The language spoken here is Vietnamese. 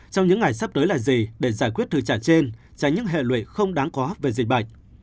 trong những ngày sắp tới là gì để giải quyết thử trả trên tránh những hệ lụy không đáng có về dịch bệnh